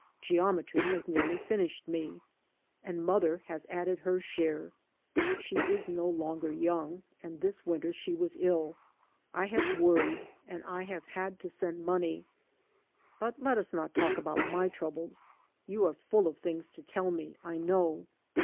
Geometry has nearly finished me. And mother has added her share. She is no longer young, and this winter she was ill. I have worried and I have had to send money. But let us not talk about my troubles. You are full of things to tell me, I know."